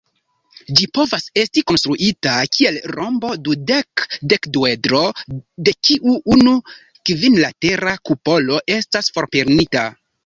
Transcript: Ĝi povas esti konstruita kiel rombo-dudek-dekduedro de kiu unu kvinlatera kupolo estas forprenita.